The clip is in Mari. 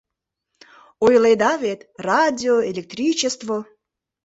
— Ойледа вет, радио, электричество!